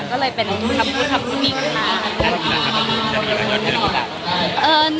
ก็เลยเป็นคำพูดทรัพย์ดูนี่อีกกันมาก